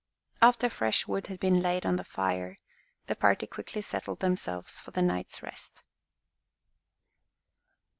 After fresh wood had been laid on the fire, the party quickly settled themselves for the night's rest.